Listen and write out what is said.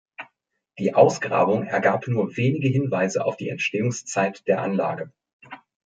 Die Ausgrabung ergab nur wenige Hinweise auf die Entstehungszeit der Anlage.